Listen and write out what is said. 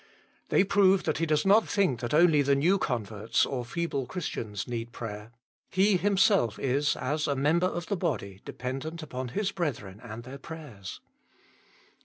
They prove that he does not think that only the new converts or feeble Christians need prayer; he himself is, as a member of the body, dependent upon his brethren and their prayers.